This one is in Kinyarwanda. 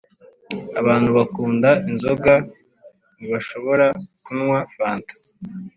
abantu bakunda inzoga ntibashobora nkunywa fanta